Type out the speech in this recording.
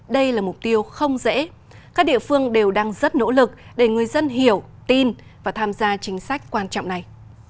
đây là mục tiêu không dễ các địa phương đều đang rất nỗ lực để người dân hiểu tin và tham gia chính sách quan trọng này